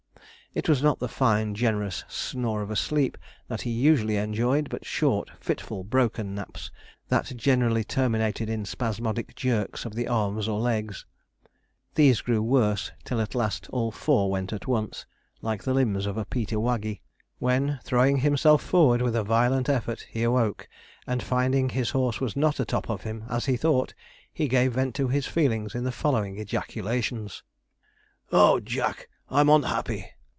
It was not the fine generous snore of a sleep that he usually enjoyed, but short, fitful, broken naps, that generally terminated in spasmodic jerks of the arms or legs. These grew worse, till at last all four went at once, like the limbs of a Peter Waggey, when, throwing himself forward with a violent effort, he awoke; and finding his horse was not a top of him, as he thought, he gave vent to his feelings in the following ejaculations: 'Oh, Jack, I'm onhappy!'